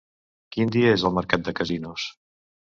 Quin dia és el mercat de Casinos?